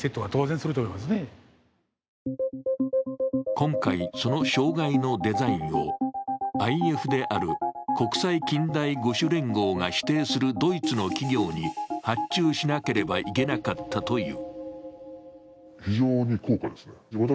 今回、その障害のデザインをＩＦである国際近代五種連合が指定するドイツの企業に発注しなければいけなかったという。